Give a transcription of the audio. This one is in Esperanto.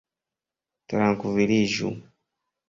trankviliĝu